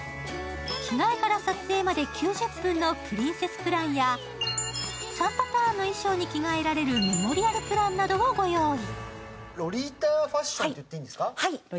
着替えから撮影まで９０分のプリンセスプランや３パターンの衣装に着替えられるメモリアルプランなどをご用意。